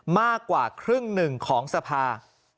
มากกว่าครึ่งหนึ่งของสภา